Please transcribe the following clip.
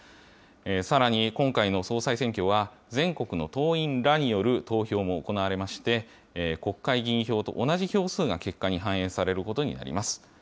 さらに今回の総裁選挙は、全国の党員らによる投票も行われまして、国会議員票と同じ票数が結果に反映されることになります。